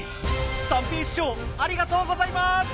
三平師匠ありがとうございます！